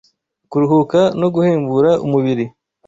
kuruhuka no guhembura umubiri.